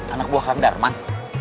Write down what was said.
anak buah kang darman